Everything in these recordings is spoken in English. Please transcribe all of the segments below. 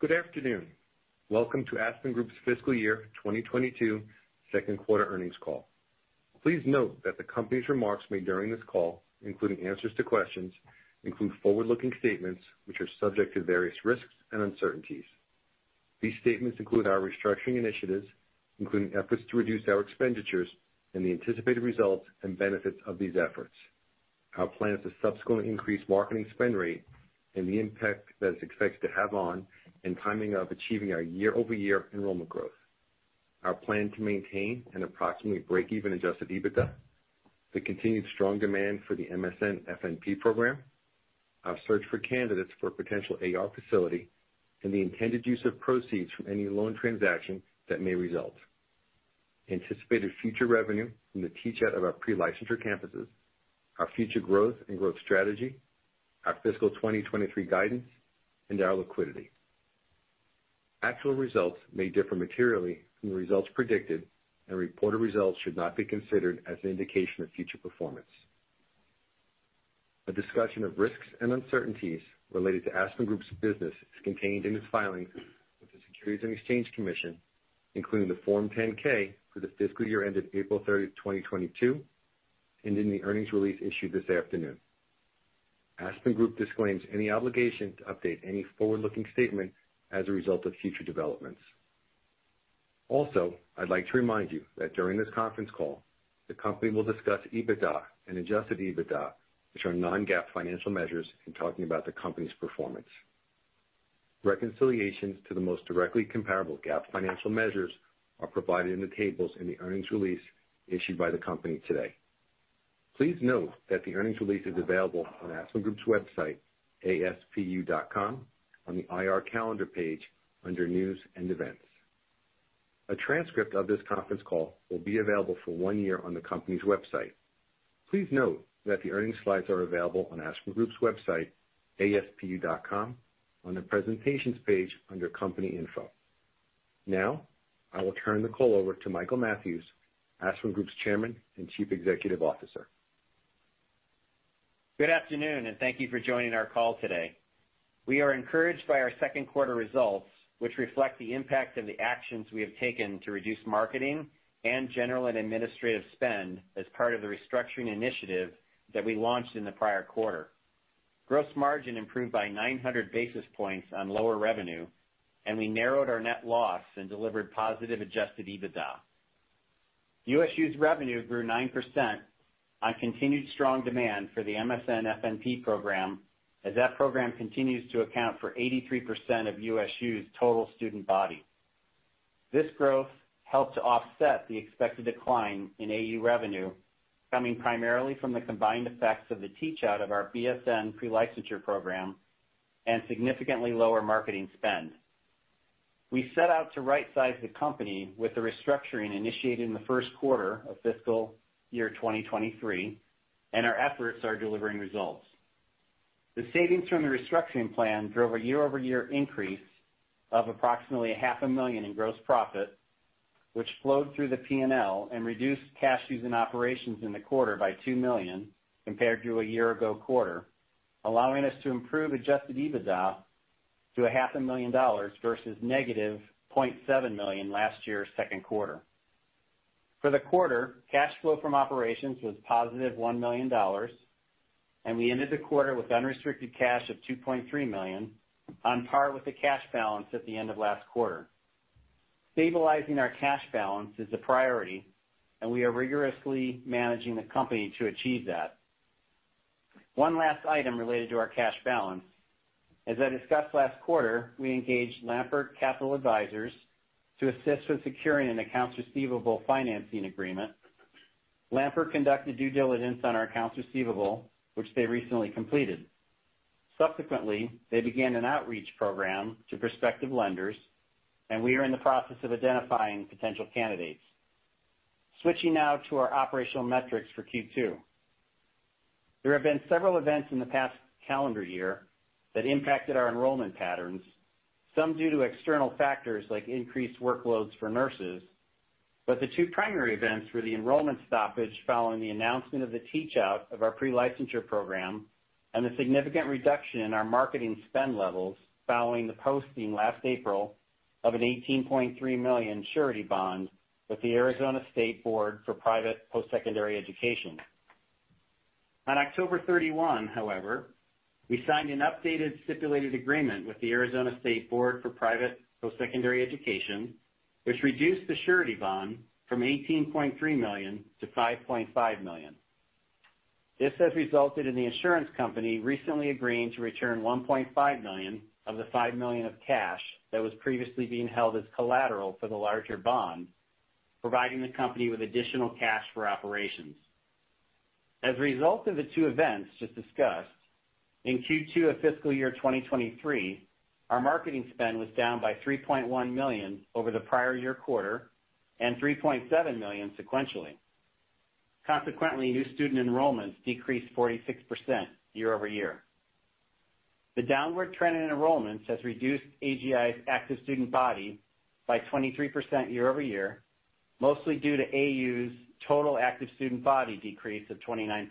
Good afternoon. Welcome to Aspen Group's fiscal year 2022 second quarter earnings call. Please note that the company's remarks made during this call, including answers to questions, include forward-looking statements which are subject to various risks and uncertainties. These statements include our restructuring initiatives, including efforts to reduce our expenditures and the anticipated results and benefits of these efforts, our plans to subsequently increase marketing spend rate and the impact that it's expected to have on and timing of achieving our year-over-year enrollment growth. Our plan to maintain an approximately break-even adjusted EBITDA, the continued strong demand for the MSN-FNP program, our search for candidates for a potential AR facility and the intended use of proceeds from any loan transaction that may result, anticipated future revenue from the teach-out of our pre-licensure campuses, our future growth and growth strategy, our fiscal 2023 guidance, and our liquidity. Actual results may differ materially from the results predicted, and reported results should not be considered as an indication of future performance. A discussion of risks and uncertainties related to Aspen Group's business is contained in its filings with the Securities and Exchange Commission, including the Form 10-K for the fiscal year ended April 30th, 2022, and in the earnings release issued this afternoon. Aspen Group disclaims any obligation to update any forward-looking statement as a result of future developments. Also, I'd like to remind you that during this conference call, the company will discuss EBITDA and adjusted EBITDA, which are non-GAAP financial measures, in talking about the company's performance. Reconciliations to the most directly comparable GAAP financial measures are provided in the tables in the earnings release issued by the company today. Please note that the earnings release is available on Aspen Group's website, aspu.com, on the IR Calendar page under News & Events. A transcript of this conference call will be available for one year on the company's website. Please note that the earnings slides are available on Aspen Group's website, aspu.com, on the Presentations page under Company Info. Now, I will turn the call over to Michael Mathews, Aspen Group's Chairman and Chief Executive Officer. Good afternoon, thank you for joining our call today. We are encouraged by our second quarter results, which reflect the impact of the actions we have taken to reduce marketing and general and administrative spend as part of the restructuring initiative that we launched in the prior quarter. Gross margin improved by 900 basis points on lower revenue, and we narrowed our net loss and delivered positive adjusted EBITDA. USU's revenue grew 9% on continued strong demand for the MSN-FNP program, as that program continues to account for 83% of USU's total student body. This growth helped to offset the expected decline in AU revenue, coming primarily from the combined effects of the teach-out of our BSN pre-licensure program and significantly lower marketing spend. We set out to right size the company with the restructuring initiated in the first quarter of fiscal year 2023. Our efforts are delivering results. The savings from the restructuring plan drove a year-over-year increase of approximately$0.5 million in gross profit, which flowed through the P&L and reduced cash used in operations in the quarter by $2 million compared to a year-ago quarter, allowing us to improve adjusted EBITDA to a$0.5 million Versus -$0.7 million last year's second quarter. For the quarter, cash flow from operations was positive $1 million. We ended the quarter with unrestricted cash of $2.3 million, on par with the cash balance at the end of last quarter. Stabilizing our cash balance is a priority. We are rigorously managing the company to achieve that. One last item related to our cash balance. As I discussed last quarter, we engaged Lampert Capital Advisors to assist with securing an accounts receivable financing agreement. Lampert conducted due diligence on our accounts receivable, which they recently completed. Subsequently, they began an outreach program to prospective lenders, and we are in the process of identifying potential candidates. Switching now to our operational metrics for Q2. There have been several events in the past calendar year that impacted our enrollment patterns, some due to external factors like increased workloads for nurses, but the two primary events were the enrollment stoppage following the announcement of the teach-out of our pre-licensure program and the significant reduction in our marketing spend levels following the posting last April of an $18.3 million surety bond with the Arizona State Board for Private Postsecondary Education. On October 31, however, we signed an updated stipulated agreement with the Arizona State Board for Private Postsecondary Education, which reduced the surety bond from $18.3 million to $5.5 million. This has resulted in the insurance company recently agreeing to return $1.5 million of the $5 million of cash that was previously being held as collateral for the larger bond, providing the company with additional cash for operations. As a result of the two events just discussed, in Q2 of fiscal year 2023, our marketing spend was down by $3.1 million over the prior year quarter and $3.7 million sequentially. New student enrollments decreased 46% year-over-year. The downward trend in enrollments has reduced AGI's active student body by 23% year-over-year, mostly due to AU's total active student body decrease of 29%.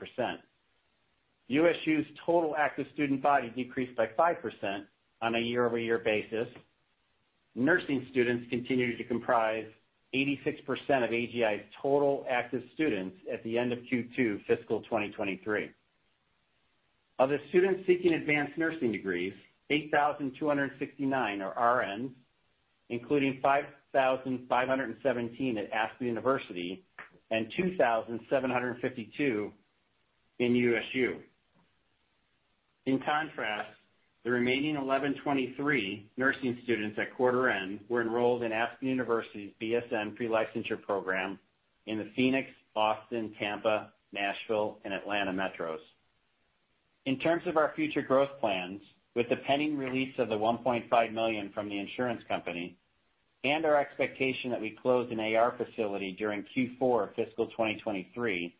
USU's total active student body decreased by 5% on a year-over-year basis. Nursing students continue to comprise 86% of AGI's total active students at the end of Q2 fiscal 2023. Of the students seeking advanced nursing degrees, 8,269 are RN, including 5,517 at Aspen University and 2,752 in USU. In contrast, the remaining 1,123 nursing students at quarter end were enrolled in Aspen University's BSN pre-licensure program in the Phoenix, Austin, Tampa, Nashville, and Atlanta metros. In terms of our future growth plans, with the pending release of the $1.5 million from the insurance company and our expectation that we close an AR facility during Q4 fiscal 2023,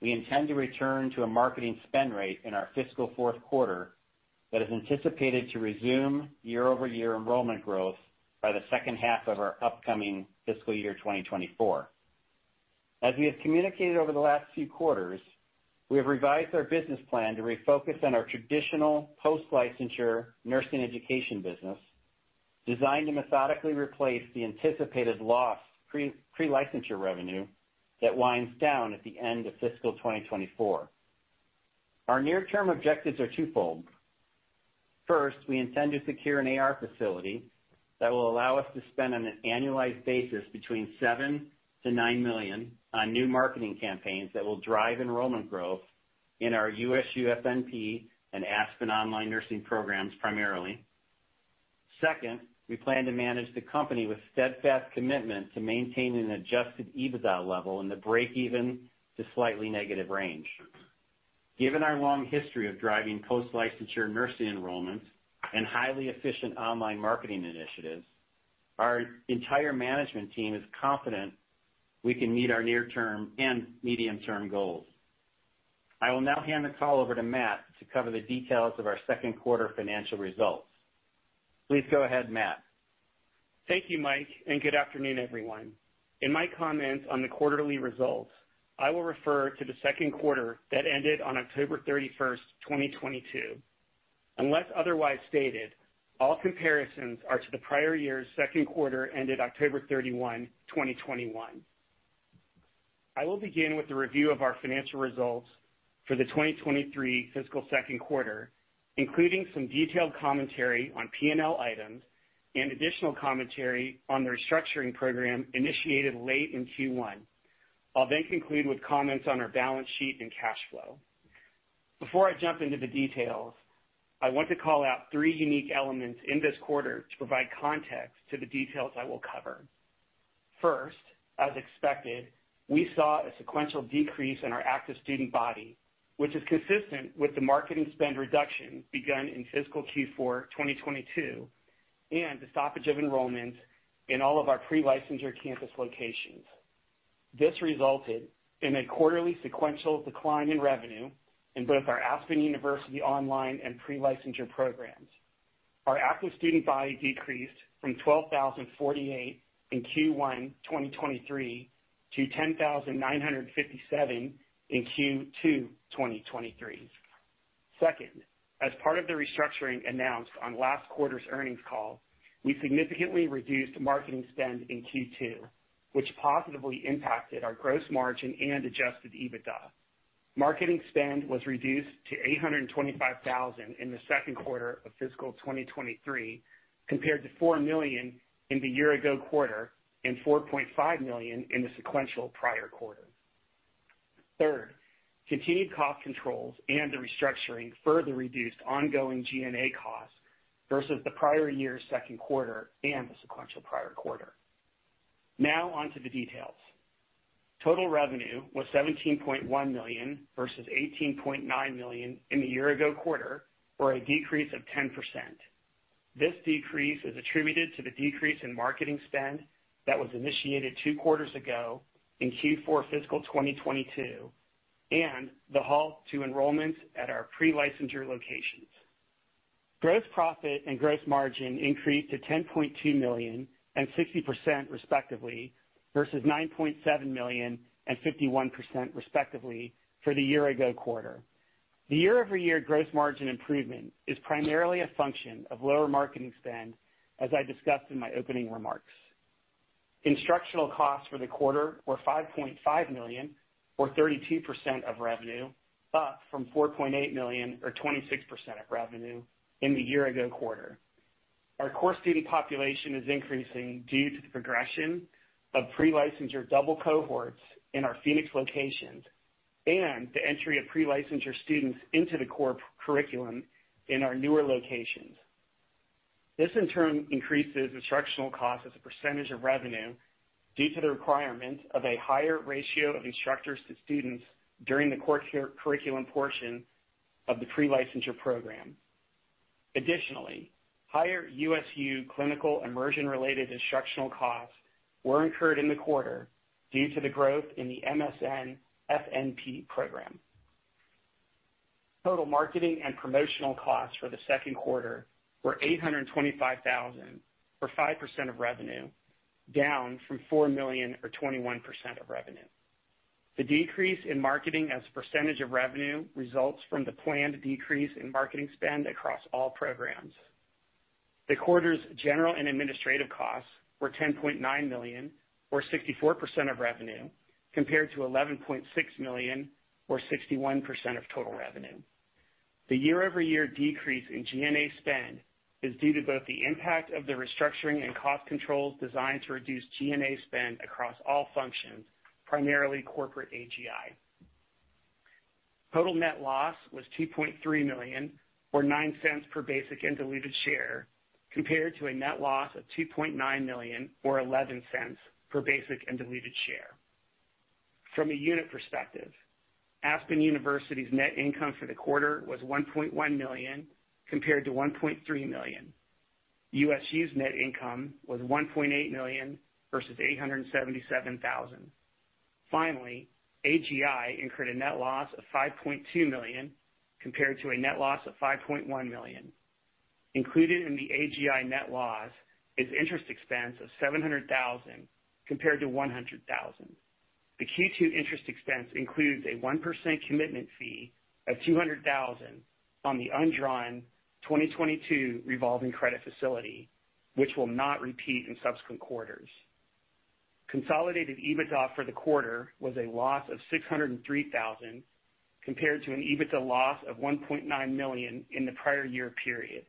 we intend to return to a marketing spend rate in our fiscal fourth quarter that is anticipated to resume year-over-year enrollment growth by the second half of our upcoming fiscal year 2024. As we have communicated over the last few quarters, we have revised our business plan to refocus on our traditional post-licensure nursing education business, designed to methodically replace the anticipated loss pre-licensure revenue that winds down at the end of fiscal 2024. Our near-term objectives are two fold. First, we intend to secure an AR facility that will allow us to spend on an annualized basis between $7 million-$9 million on new marketing campaigns that will drive enrollment growth in our USU FNP and Aspen online nursing programs, primarily. Second, we plan to manage the company with steadfast commitment to maintain an adjusted EBITDA level in the break-even to slightly negative range. Given our long history of driving post-licensure nursing enrollments and highly efficient online marketing initiatives, our entire management team is confident we can meet our near-term and medium-term goals. I will now hand the call over to Matt to cover the details of our second quarter financial results. Please go ahead, Matt. Thank you, Mike, and good afternoon, everyone. In my comments on the quarterly results, I will refer to the second quarter that ended on October 31, 2022. Unless otherwise stated, all comparisons are to the prior year's second quarter, ended October 31, 2021. I will begin with a review of our financial results for the 2023 fiscal second quarter, including some detailed commentary on P&L items and additional commentary on the restructuring program initiated late in Q1. I'll then conclude with comments on our balance sheet and cash flow. Before I jump into the details, I want to call out three unique elements in this quarter to provide context to the details I will cover. First, as expected, we saw a sequential decrease in our active student body, which is consistent with the marketing spend reduction begun in fiscal Q4 2022 and the stoppage of enrollment in all of our pre-licensure campus locations. This resulted in a quarterly sequential decline in revenue in both our Aspen University online and pre-licensure programs. Our active student body decreased from 12,048 in Q1 2023 to 10,957 in Q2 2023. As part of the restructuring announced on last quarter's earnings call, we significantly reduced marketing spend in Q2, which positively impacted our gross margin and adjusted EBITDA. Marketing spend was reduced to $825,000 in the second quarter of fiscal 2023, compared to $4 million in the year-ago quarter and $4.5 million in the sequential prior quarter. Third, continued cost controls and the restructuring further reduced ongoing G&A costs versus the prior year's second quarter and the sequential prior quarter. On to the details. Total revenue was $17.1 million versus $18.9 million in the year-ago quarter, or a decrease of 10%. This decrease is attributed to the decrease in marketing spend that was initiated two quarters ago in Q4 fiscal 2022, and the halt to enrollments at our pre-licensure locations. Gross profit and gross margin increased to $10.2 million and 60% respectively, versus $9.7 million and 51% respectively for the year-ago quarter. The year-over-year gross margin improvement is primarily a function of lower marketing spend, as I discussed in my opening remarks. Instructional costs for the quarter were $5.5 million or 32% of revenue, up from $4.8 million or 26% of revenue in the year-ago quarter. Our core student population is increasing due to the progression of pre-licensure double cohorts in our Phoenix locations and the entry of pre-licensure students into the core curriculum in our newer locations. This, in turn, increases instructional costs as a percentage of revenue due to the requirement of a higher ratio of instructors to students during the core curriculum portion of the pre-licensure program. Additionally, higher USU clinical immersion-related instructional costs were incurred in the quarter due to the growth in the MSN-FNP program. Total marketing and promotional costs for the second quarter were $825,000, or 5% of revenue. Down from $4 million or 21% of revenue. The decrease in marketing as a percentage of revenue results from the planned decrease in marketing spend across all programs. The quarter's general and administrative costs were $10.9 million or 64% of revenue, compared to $11.6 million or 61% of total revenue. The year-over-year decrease in G&A spend is due to both the impact of the restructuring and cost controls designed to reduce G&A spend across all functions, primarily corporate AGI. Total net loss was $2.3 million or $0.09 per basic and diluted share, compared to a net loss of $2.9 million or $0.11 per basic and diluted share. From a unit perspective, Aspen University's net income for the quarter was $1.1 million compared to $1.3 million. USU's net income was $1.8 million versus $877,000. AGI incurred a net loss of $5.2 million compared to a net loss of $5.1 million. Included in the AGI net loss is interest expense of $700,000 compared to $100,000. The Q2 interest expense includes a 1% commitment fee of $200,000 on the undrawn 2022 Revolving Credit Facility, which will not repeat in subsequent quarters. Consolidated EBITDA for the quarter was a loss of $603,000, compared to an EBITDA loss of $1.9 million in the prior year period.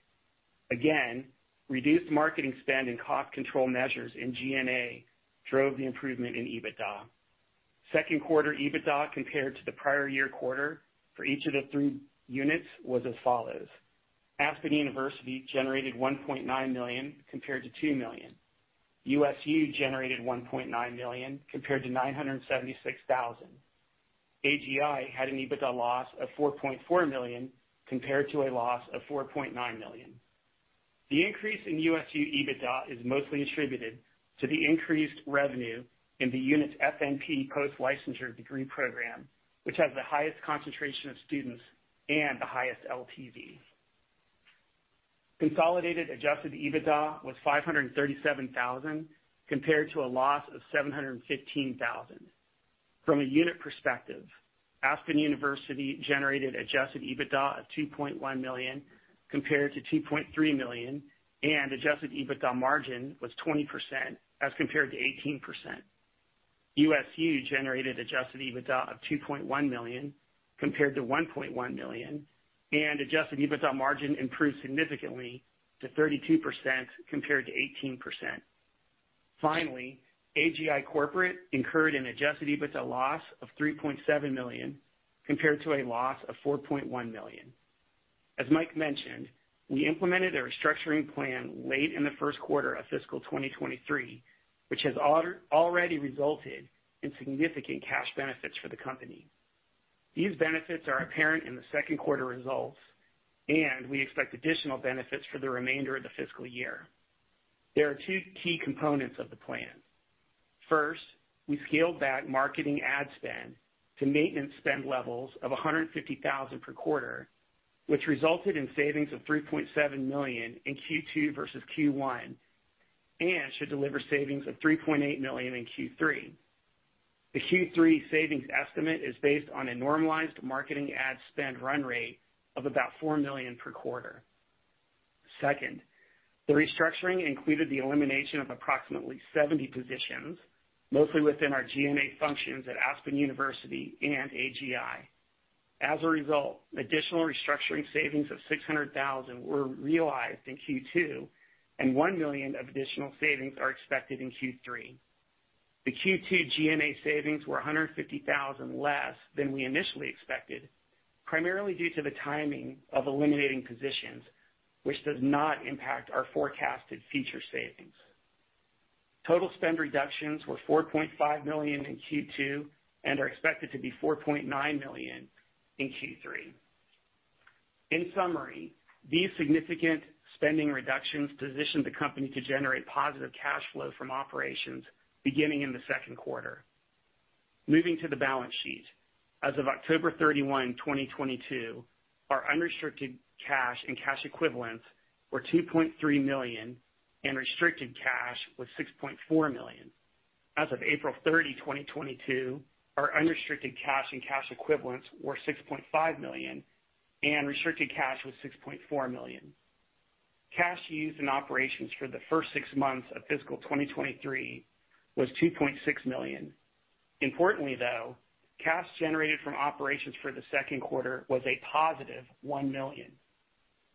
Reduced marketing spend and cost control measures in G&A drove the improvement in EBITDA. Second quarter EBITDA compared to the prior year quarter for each of the three units was as follows. Aspen University generated $1.9 million compared to $2 million. USU generated $1.9 million compared to $976,000. AGI had an EBITDA loss of $4.4 million compared to a loss of $4.9 million. The increase in USU EBITDA is mostly attributed to the increased revenue in the unit's FNP Post-Licensure degree program, which has the highest concentration of students and the highest LTV. Consolidated adjusted EBITDA was $537,000 compared to a loss of $715,000. From a unit perspective, Aspen University generated adjusted EBITDA of $2.1 million compared to $2.3 million. Adjusted EBITDA margin was 20% as compared to 18%. USU generated adjusted EBITDA of $2.1 million compared to $1.1 million. Adjusted EBITDA margin improved significantly to 32% compared to 18%. AGI Corporate incurred an adjusted EBITDA loss of $3.7 million, compared to a loss of $4.1 million. As Mike mentioned, we implemented a restructuring plan late in the first quarter of fiscal 2023, which has already resulted in significant cash benefits for the company. These benefits are apparent in the second quarter results, and we expect additional benefits for the remainder of the fiscal year. There are two key components of the plan. First, we scaled back marketing ad spend to maintenance spend levels of $150,000 per quarter, which resulted in savings of $3.7 million in Q2 versus Q1, and should deliver savings of $3.8 million in Q3. The Q3 savings estimate is based on a normalized marketing ad spend run rate of about $4 million per quarter. Second, the restructuring included the elimination of approximately 70 positions, mostly within our G&A functions at Aspen University and AGI. As a result, additional restructuring savings of $600,000 were realized in Q2, and $1 million of additional savings are expected in Q3. The Q2 G&A savings were $150,000 less than we initially expected, primarily due to the timing of eliminating positions, which does not impact our forecasted future savings. Total spend reductions were $4.5 million in Q2 and are expected to be $4.9 million in Q3. In summary, these significant spending reductions position the company to generate positive cash flow from operations beginning in the second quarter. Moving to the balance sheet. As of October 31, 2022, our unrestricted cash and cash equivalents were $2.3 million, and restricted cash was $6.4 million. As of April 30, 2022, our unrestricted cash and cash equivalents were $6.5 million, and restricted cash was $6.4 million. Cash used in operations for the first six months of fiscal 2023 was $2.6 million. Importantly, though, cash generated from operations for the second quarter was a positive $1 million.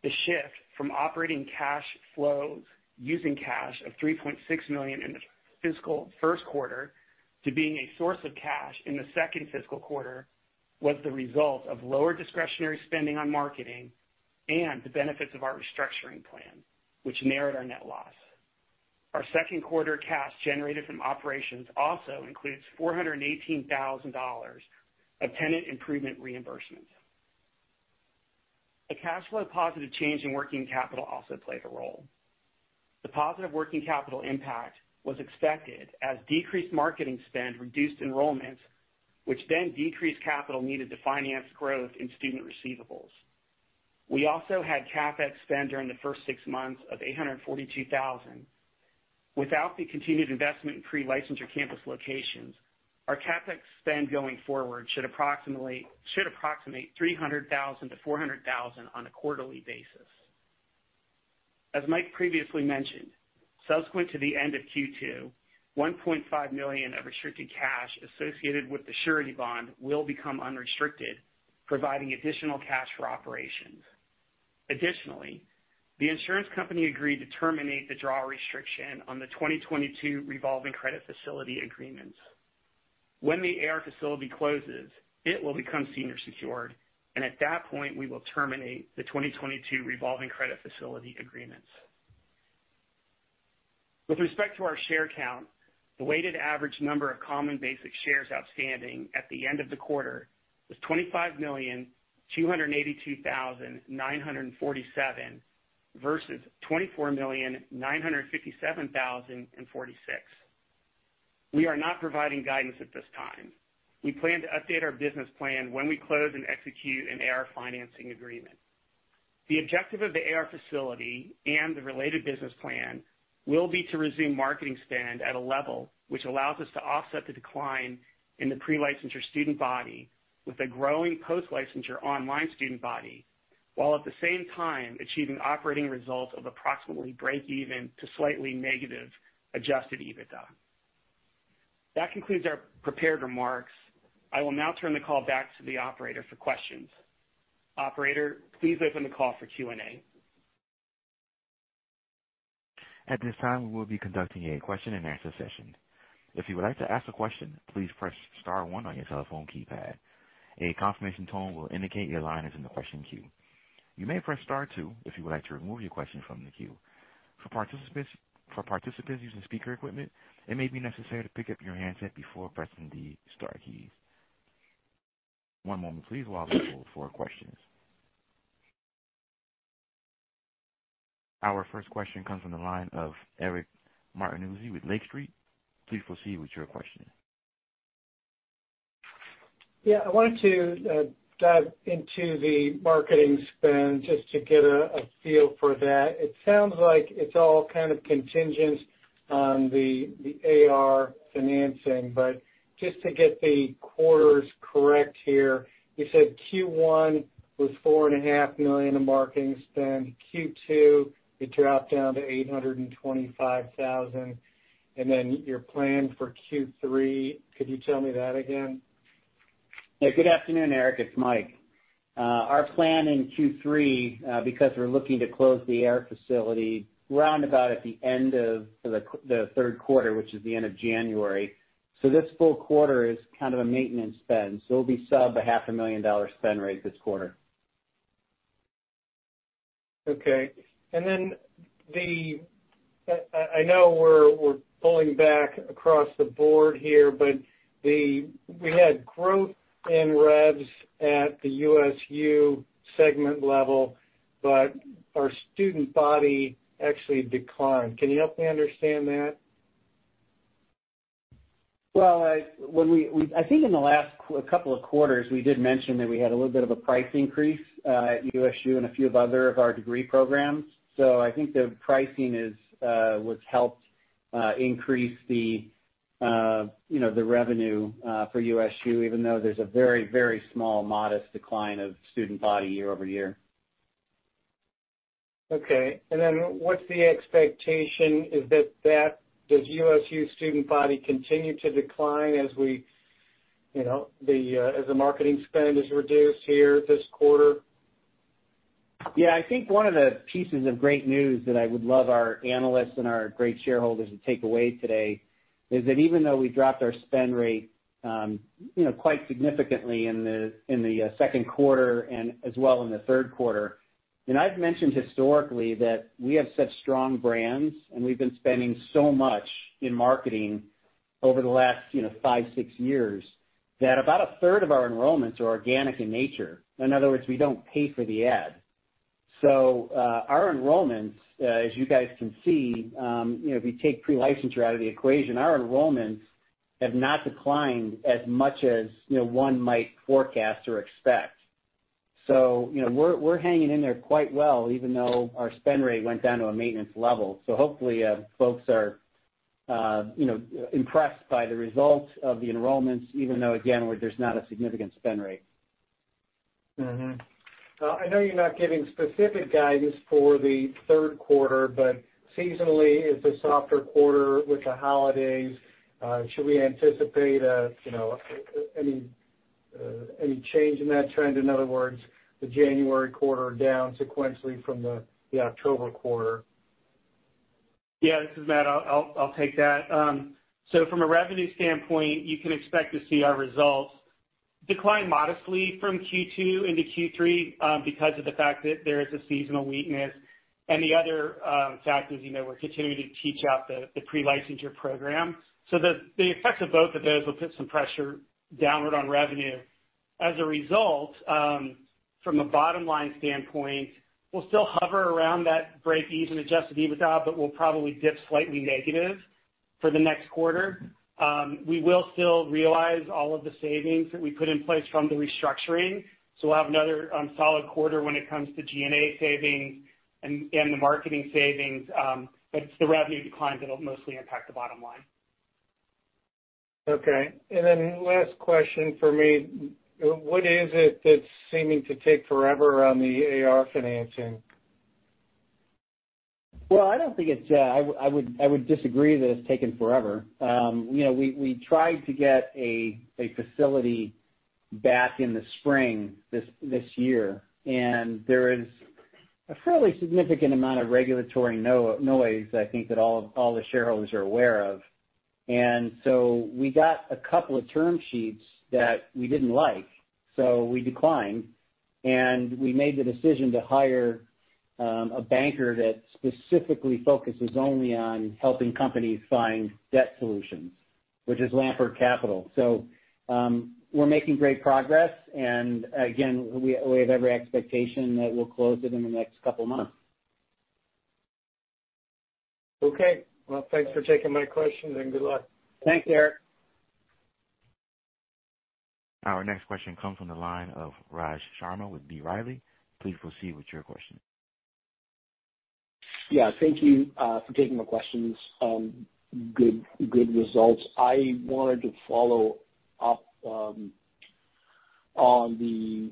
The shift from operating cash flows using cash of $3.6 million in the fiscal first quarter to being a source of cash in the second fiscal quarter was the result of lower discretionary spending on marketing and the benefits of our restructuring plan, which narrowed our net loss. Our second quarter cash generated from operations also includes $418,000 of tenant improvement reimbursements. A cash flow positive change in working capital also played a role. The positive working capital impact was expected as decreased marketing spend reduced enrollments, which then decreased capital needed to finance growth in student receivables. We also had CapEx spend during the first six months of $842,000. Without the continued investment in pre-licensure campus locations, our CapEx spend going forward should approximate $300,000-$400,000 on a quarterly basis. As Mike previously mentioned, subsequent to the end of Q2, $1.5 million of restricted cash associated with the surety bond will become unrestricted, providing additional cash for operations. Additionally, the insurance company agreed to terminate the draw restriction on the 2022 Revolving Credit Facility agreements. When the AR facility closes, it will become senior secured, and at that point, we will terminate the 2022 Revolving Credit Facility agreements. With respect to our share count, the weighted average number of common basic shares outstanding at the end of the quarter was 25,282,947 versus 24,957,046. We are not providing guidance at this time. We plan to update our business plan when we close and execute an AR financing agreement. The objective of the AR facility and the related business plan will be to resume marketing spend at a level which allows us to offset the decline in the pre-licensure student body with a growing post-licensure online student body, while at the same time achieving operating results of approximately break even to slightly negative adjusted EBITDA. That concludes our prepared remarks. I will now turn the call back to the operator for questions. Operator, please open the call for Q&A. At this time, we will be conducting a question and answer session. If you would like to ask a question, please press star one on your cell phone keypad. A confirmation tone will indicate your line is in the question queue. You may press star two if you would like to remove your question from the queue. For participants using speaker equipment, it may be necessary to pick up your handset before pressing the star keys. One moment please while I look for questions. Our first question comes from the line of Eric Martinuzzi with Lake Street. Please proceed with your question. I wanted to dive into the marketing spend just to get a feel for that. It sounds like it's all kind of contingent on the AR financing, but just to get the quarters correct here, you said Q1 was $4.5 Million in marketing spend. Q2, it dropped down to $825,000. Your plan for Q3, could you tell me that again? Yeah, good afternoon, Eric. It's Mike. Our plan in Q3, because we're looking to close the AR facility round about at the end of the third quarter, which is the end of January. This full quarter is kind of a maintenance spend, so it'll be sub $0.5 million spend rate this quarter. Okay. I know we're pulling back across the board here, but we had growth in revs at the USU segment level, but our student body actually declined. Can you help me understand that? Well, when we, I think in the last couple of quarters, we did mention that we had a little bit of a price increase, at USU and a few of other of our degree programs. I think the pricing is, what's helped, increase the, you know, the revenue for USU, even though there's a very small modest decline of student body year-over-year. Okay. What's the expectation? Is that the USU student body continue to decline as we, you know, as the marketing spend is reduced here this quarter? I think one of the pieces of great news that I would love our analysts and our great shareholders to take away today is that even though we dropped our spend rate, quite significantly in the second quarter and as well in the third quarter, and I've mentioned historically that we have such strong brands and we've been spending so much in marketing over the last, five, 6 years, that about a third of our enrollments are organic in nature. In other words, we don't pay for the ad. Our enrollments, as you guys can see, if you take pre-licensure out of the equation, our enrollments have not declined as much as one might forecast or expect. You know, we're hanging in there quite well even though our spend rate went down to a maintenance level. Hopefully, folks are, you know, impressed by the results of the enrollments even though again, there's not a significant spend rate. I know you're not giving specific guidance for the third quarter, seasonally, it's a softer quarter with the holidays. Should we anticipate, you know, any change in that trend? In other words, the January quarter down sequentially from the October quarter. Yeah, this is Matt. I'll take that. From a revenue standpoint, you can expect to see our results decline modestly from Q2 into Q3 because of the fact that there is a seasonal weakness, and the other factor is, you know, we're continuing to teach out the pre-licensure program. The effects of both of those will put some pressure downward on revenue. As a result, from a bottom-line standpoint, we'll still hover around that break-even adjusted EBITDA, but we'll probably dip slightly negative for the next quarter. We will still realize all of the savings that we put in place from the restructuring, so we'll have another solid quarter when it comes to G&A savings and the marketing savings. It's the revenue decline that'll mostly impact the bottom line. Okay. Last question for me. What is it that's seeming to take forever on the AR financing? Well, I don't think it's. I would disagree that it's taken forever. you know, we tried to get a facility back in the spring this year, and there is a fairly significant amount of regulatory noise, I think, that all the shareholders are aware of. We got a couple of term sheets that we didn't like, so we declined. We made the decision to hire a banker that specifically focuses only on helping companies find debt solutions, which is Lampert Capital. We're making great progress. Again, we have every expectation that we'll close it in the next couple of months. Okay. Well, thanks for taking my questions, and good luck. Thanks, Eric. Our next question comes from the line of Raj Sharma with B. Riley. Please proceed with your question. Yeah. Thank you for taking my questions. Good results. I wanted to follow up on the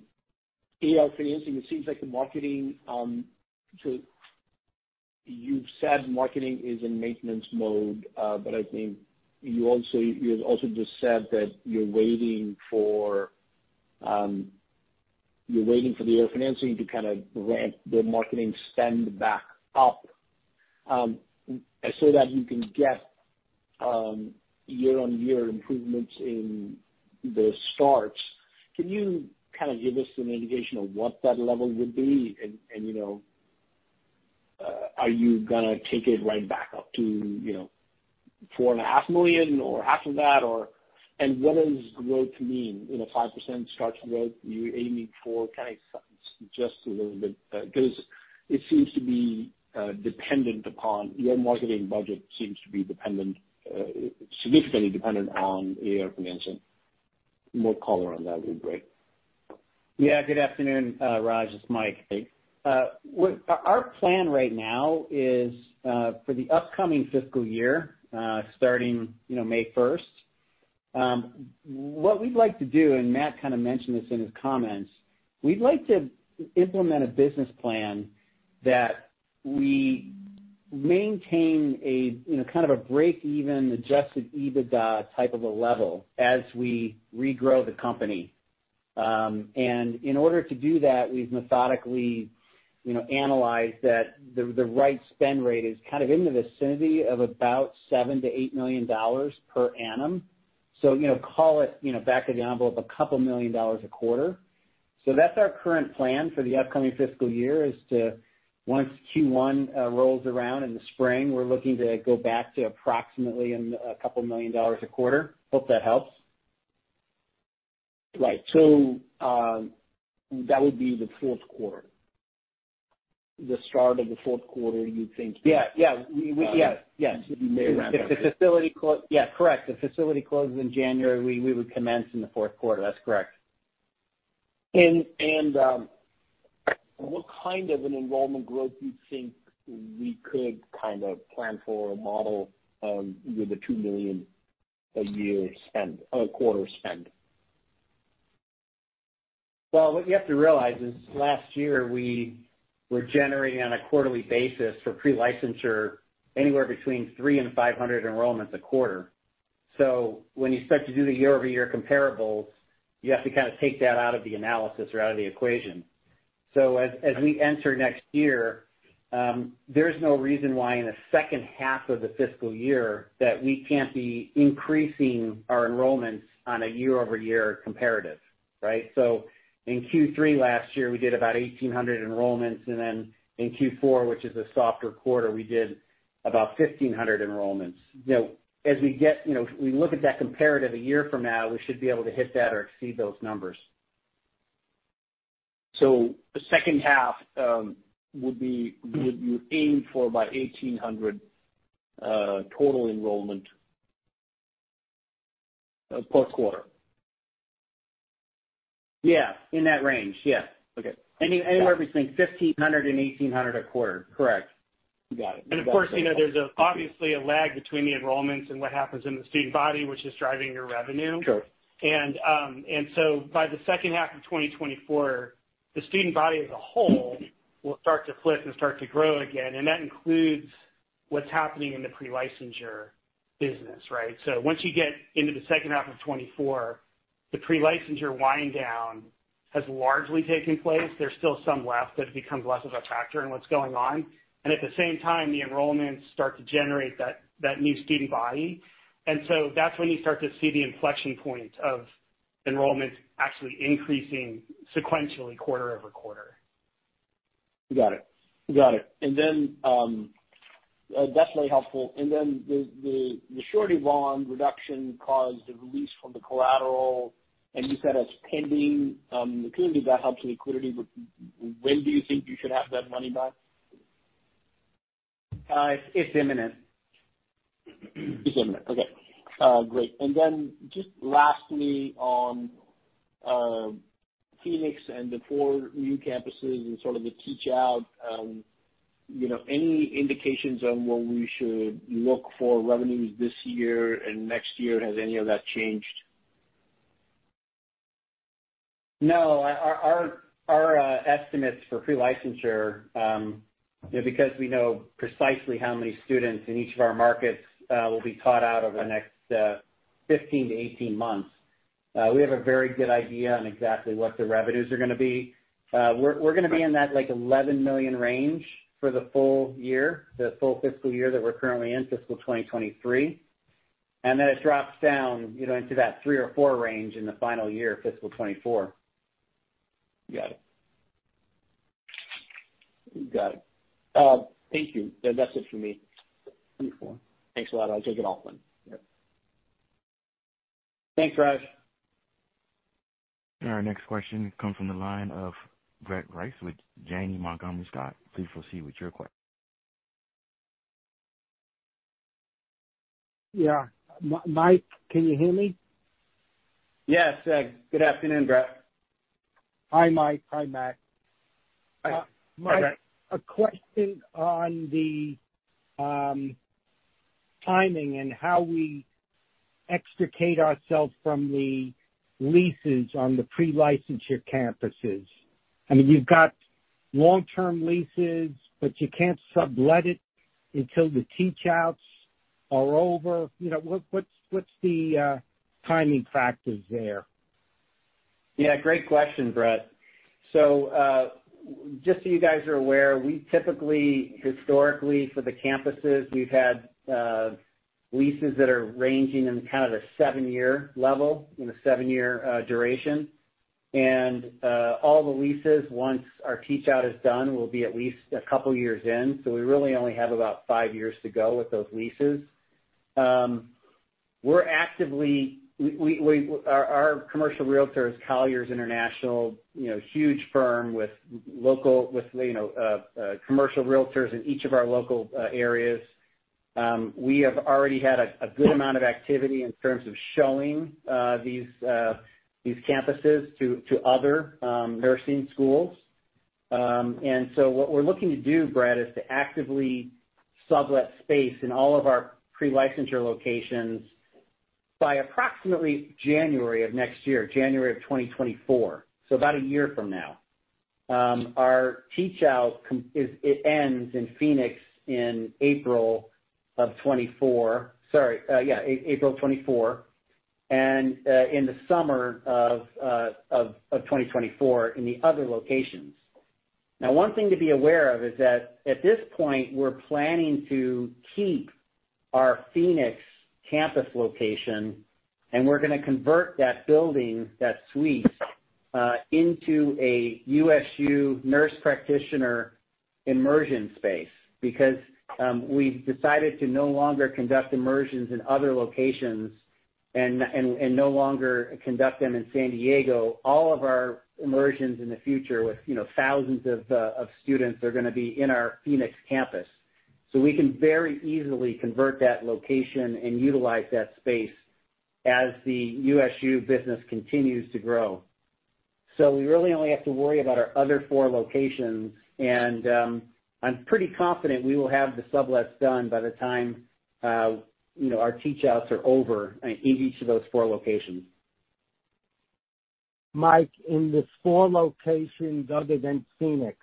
AR financing. It seems like the marketing, so you've said marketing is in maintenance mode, but I think you've also just said that you're waiting for, you're waiting for the AR financing to kind of ramp the marketing spend back up, so that you can get year-on-year improvements in the starts. Can you kind of give us an indication of what that level would be? And, you know, are you gonna take it right back up to, you know, $4.5 million or half of that or... And what does growth mean? You know, 5% starts growth you're aiming for? Can I just a little bit...'cause your marketing budget seems to be significantly dependent on AR financing. More color on that would be great. Yeah. Good afternoon, Raj. It's Mike. Our plan right now is for the upcoming fiscal year, starting, you know, May first, what we'd like to do, and Matt kind of mentioned this in his comments, we'd like to implement a business plan that we maintain a, you know, kind of a break-even adjusted EBITDA type of a level as we regrow the company. In order to do that, we've methodically, you know, analyzed that the right spend rate is kind of in the vicinity of about $7 million-$8 million per annum. You know, call it, you know, back of the envelope, couple of million a quarter. That's our current plan for the upcoming fiscal year is to, once Q1 rolls around in the spring, we're looking to go back to approximately a couple million dollars a quarter. Hope that helps. Right. That would be the fourth quarter, the start of the fourth quarter, you'd think. Yeah. Yeah. We. Yes. Yes. You may ramp up. Yeah. Correct. The facility closes in January, we would commence in the fourth quarter. That's correct. What kind of an enrollment growth do you think we could kind of plan for or model, with a $2 million a year spend, quarter spend? What you have to realize is last year we were generating on a quarterly basis for pre-licensure anywhere between 300 and 500 enrollments a quarter. When you start to do the year-over-year comparables, you have to kind of take that out of the analysis or out of the equation. As we enter next year, there's no reason why in the second half of the fiscal year that we can't be increasing our enrollments on a year-over-year comparative, right? In Q3 last year, we did about 1,800 enrollments, and then in Q4, which is a softer quarter, we did about 1,500 enrollments. You know, as we get, you know, we look at that comparative a year from now, we should be able to hit that or exceed those numbers. The second half. Mm-hmm. You aim for about 1,800 total enrollment per quarter? Yeah, in that range. Yeah. Okay. Anywhere between $1,500 and $1,800 a quarter. Correct. Got it. Of course, you know, there's, obviously a lag between the enrollments and what happens in the student body, which is driving your revenue. Sure. By the second half of 2024, the student body as a whole will start to flip and start to grow again, and that includes what's happening in the pre-licensure business, right? Once you get into the second half of 2024, the pre-licensure wind down has largely taken place. There's still some left, but it becomes less of a factor in what's going on. At the same time, the enrollments start to generate that new student body. That's when you start to see the inflection point of enrollments actually increasing sequentially quarter-over-quarter. Got it. definitely helpful. The surety bond reduction caused a release from the collateral. You said it's pending. Clearly that helps liquidity, when do you think you should have that money back? It's imminent. It's imminent. Okay. Great. Just lastly on, Phoenix and the four new campuses and sort of the teach out, you know, any indications on when we should look for revenues this year and next year? Has any of that changed? No. Our estimates for pre-licensure, you know, because we know precisely how many students in each of our markets, will be taught out over the next 15 to 18 months, we have a very good idea on exactly what the revenues are gonna be. We're gonna be in that, like, $11 million range for the full year, the full fiscal year that we're currently in, fiscal 2023. It drops down, you know, into that $3 million or $4 million range in the final year, fiscal 2024. Got it. Got it. Thank you. That's it for me. Mm-hmm. Thanks a lot. I took it offline. Yep. Thanks, Raj. Our next question comes from the line of Brett Reiss with Janney Montgomery Scott. Please proceed with your question. Yeah. Mike, can you hear me? Yes. Good afternoon, Brett. Hi, Mike. Hi, Matt. Hi, Brett. Mike, a question on the timing and how we extricate ourselves from the leases on the pre-licensure campuses. I mean, you've got long-term leases, but you can't sublet it until the teach outs are over. You know, what's the timing factors there? Great question, Brett. Just so you guys are aware, we typically historically for the campuses, we've had leases that are ranging in kind of the seven-year level, in the seven-year duration. All the leases, once our teach out is done, will be at least couple years in. We really only have about five years to go with those leases. Our commercial realtor is Colliers International, you know, huge firm with local, with, you know, commercial realtors in each of our local areas. We have already had a good amount of activity in terms of showing these campuses to other nursing schools. What we're looking to do, Brett, is to actively sublet space in all of our pre-licensure locations by approximately January of next year, January of 2024, so about a year from now. Our teach out It ends in Phoenix in April of 2024. Sorry, yeah, April of 2024 and in the summer of 2024 in the other locations. One thing to be aware of is that at this point, we're planning to keep our Phoenix campus location, and we're gonna convert that building, that suite, into a USU nurse practitioner immersion space. We've decided to no longer conduct immersions in other locations and no longer conduct them in San Diego, all of our immersions in the future with, you know, thousands of students are gonna be in our Phoenix campus. We can very easily convert that location and utilize that space as the USU business continues to grow. We really only have to worry about our other four locations, and I'm pretty confident we will have the sublets done by the time, you know, our teach outs are over in each of those four locations. Mike, in the four locations other than Phoenix,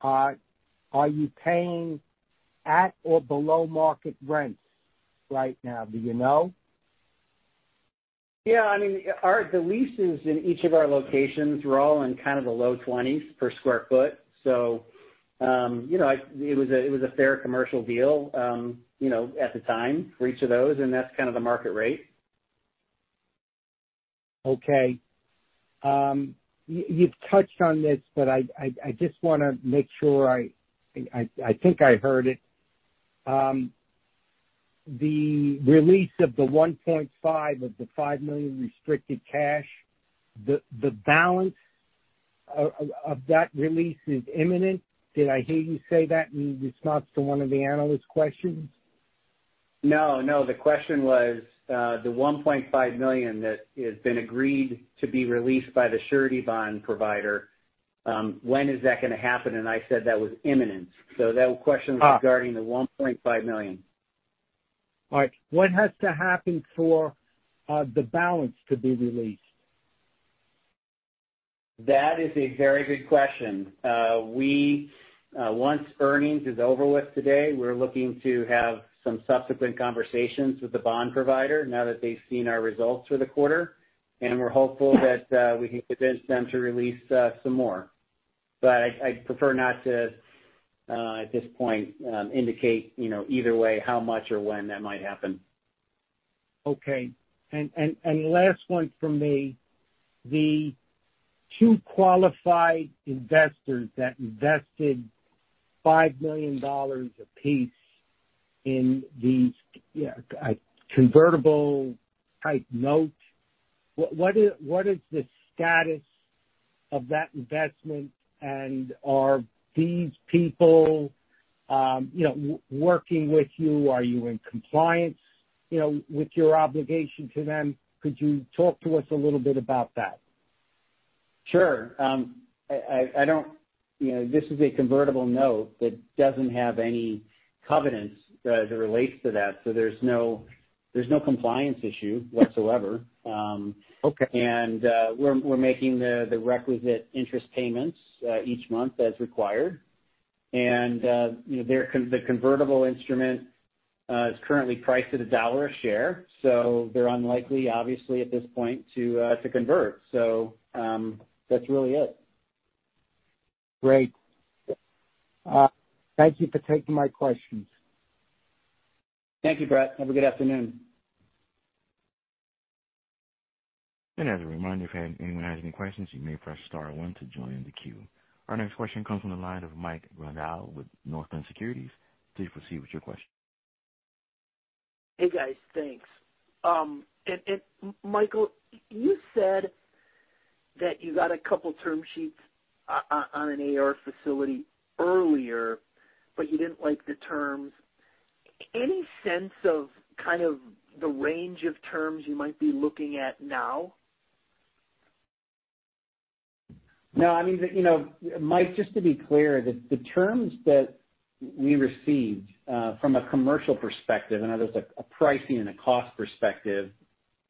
are you paying at or below market rents right now? Do you know? Yeah. I mean, the leases in each of our locations were all in kind of the low 20s per sq ft. you know, it was a fair commercial deal, you know, at the time for each of those, and that's kind of the market rate. Okay. You've touched on this, but I just wanna make sure I think I heard it. The release of the $1.5 of the $5 million restricted cash, the balance of that release is imminent. Did I hear you say that in response to one of the analyst questions? No, no. The question was, the $1.5 million that has been agreed to be released by the surety bond provider, when is that gonna happen? I said that was imminent. Ah. was regarding the $1.5 million. All right. What has to happen for the balance to be released? That is a very good question. We, once earnings are over with today, we're looking to have some subsequent conversations with the bond provider now that they've seen our results for the quarter. We're hopeful that, we can convince them to release, some more. I'd prefer not to, at this point, indicate, you know, either way how much or when that might happen. Okay. Last one from me. The two qualified investors that invested $5 million apiece. In the convertible type note, what is the status of that investment? Are these people, you know, working with you? Are you in compliance, you know, with your obligation to them? Could you talk to us a little bit about that? Sure. I don't You know, this is a convertible note that doesn't have any covenants that relates to that, so there's no compliance issue whatsoever. Okay. We're making the requisite interest payments each month as required. You know, they're the convertible instrument is currently priced at $1 a share, so they're unlikely, obviously at this point to convert. That's really it. Great. Thank you for taking my questions. Thank you, Brett. Have a good afternoon. As a reminder, if anyone has any questions, you may press star one to join the queue. Our next question comes from the line of Mike Grondahl with Northland Securities. Please proceed with your question. Hey, guys. Thanks. Michael, you said that you got a couple term sheets on an AR facility earlier, but you didn't like the terms. Any sense of kind of the range of terms you might be looking at now? No, I mean, you know, Mike, just to be clear, the terms that we received, from a commercial perspective, in other words, like a pricing and a cost perspective,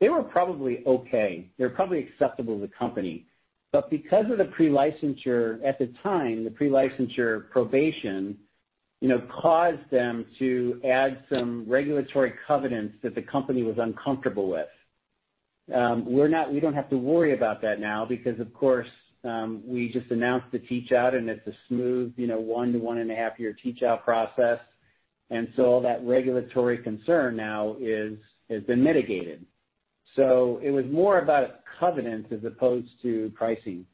they were probably okay. They were probably acceptable to the company. Because of the pre-licensure at the time, the pre-licensure probation, you know, caused them to add some regulatory covenants that the company was uncomfortable with. We don't have to worry about that now because, of course, we just announced the teach out and it's a smooth, you know, one to 1.5 year teach out process. All that regulatory concern now has been mitigated. It was more about a covenant as opposed to pricing.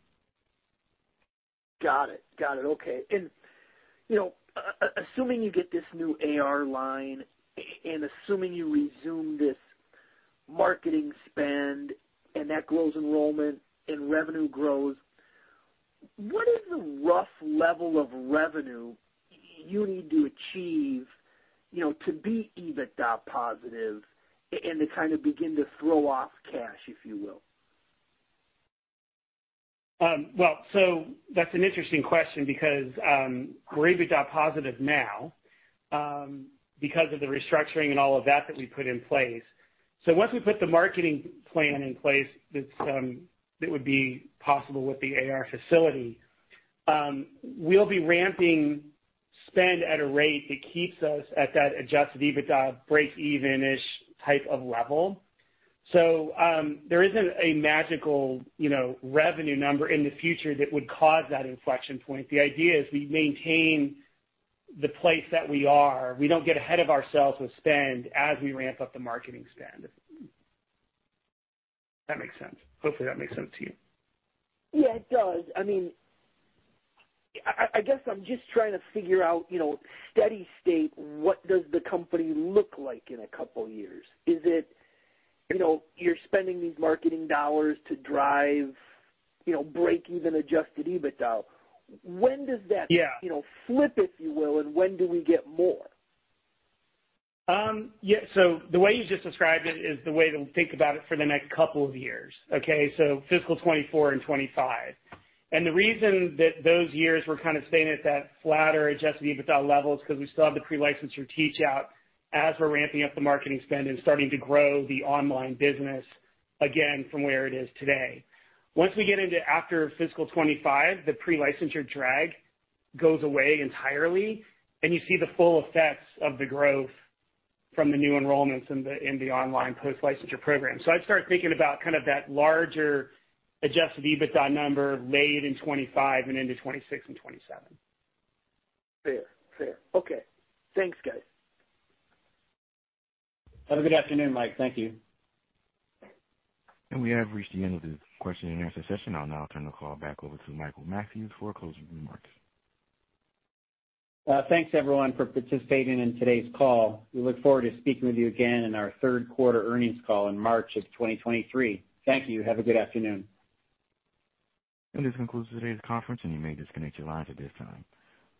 Got it. Got it. Okay. You know, assuming you get this new AR line, and assuming you resume this marketing spend and that grows enrollment and revenue grows, what is the rough level of revenue you need to achieve, you know, to be EBITDA positive and to kind of begin to throw off cash, if you will? Well, that's an interesting question because we're EBITDA positive now because of the restructuring and all of that that we put in place. Once we put the marketing plan in place, this, that would be possible with the AR facility, we'll be ramping spend at a rate that keeps us at that adjusted EBITDA break-even-ish type of level. There isn't a magical, you know, revenue number in the future that would cause that inflection point. The idea is we maintain the place that we are. We don't get ahead of ourselves with spend as we ramp up the marketing spend. If that makes sense. Hopefully, that makes sense to you. Yeah, it does. I mean, I guess I'm just trying to figure out, you know, steady state, what does the company look like in a couple years? Is it, you know, you're spending these marketing dollars to drive, you know, break even adjusted EBITDA. When does that- Yeah. You know, flip, if you will, when do we get more? Yeah. The way you just described it is the way to think about it for the next couple of years. Okay? Fiscal 2024 and 2025. The reason that those years we're kind of staying at that flatter adjusted EBITDA level is 'cause we still have the pre-licensure teach out as we're ramping up the marketing spend and starting to grow the online business again from where it is today. Once we get into after fiscal 2025, the pre-licensure drag goes away entirely and you see the full effects of the growth from the new enrollments in the, in the online post-licensure program. I'd start thinking about kind of that larger adjusted EBITDA number late in 2025 and into 2026 and 2027. Fair. Fair. Okay. Thanks, guys. Have a good afternoon, Mike. Thank you. We have reached the end of the question and answer session. I'll now turn the call back over to Michael Mathews for closing remarks. Thanks everyone for participating in today's call. We look forward to speaking with you again in our third quarter earnings call in March of 2023. Thank you. Have a good afternoon. This concludes today's conference, and you may disconnect your lines at this time.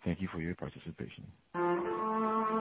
Thank you for your participation.